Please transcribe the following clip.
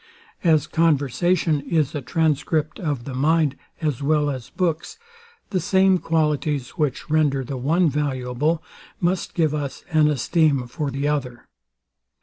As conversation is a transcript of the mind as well as books, the same qualities, which render the one valuable, must give us an esteem for the other.